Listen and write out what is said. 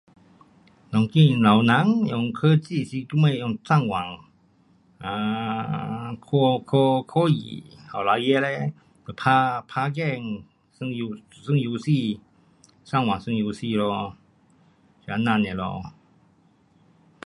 当今老人用科技是什么用上网，um 看，看，看戏，嘞孩儿嘞就打 game 玩游戏，上网玩游戏咯，就这样 nia 咯。